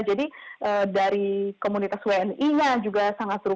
jadi dari komunitas wni nya juga sangat rukun